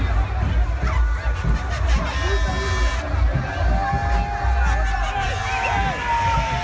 มันอาจจะไม่เอาเห็น